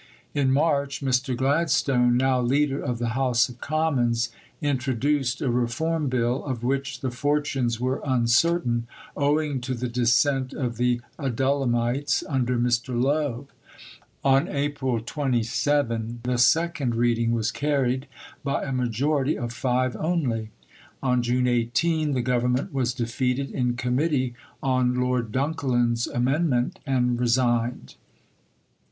In March Mr. Gladstone, now leader of the House of Commons, introduced a Reform Bill, of which the fortunes were uncertain owing to the dissent of the Adullamites under Mr. Lowe. On April 27 the second reading was carried by a majority of five only. On June 18 the Government was defeated in Committee on Lord Dunkellin's amendment, and resigned.